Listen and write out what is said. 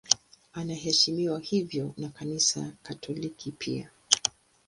Anaheshimiwa hivyo na Kanisa Katoliki pia.